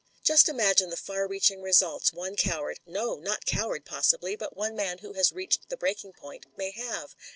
"Just imagine the far reaching results one coward — ^no, not coward, possibly — but one man who has reached the breaking point, may have.